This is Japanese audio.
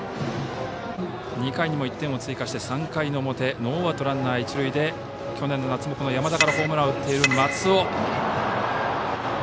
２回にも１点を追加して３回の表、ノーアウトランナー、一塁で去年の夏も山田からホームランを放っている松尾。